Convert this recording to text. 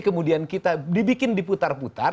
kemudian kita dibikin diputar putar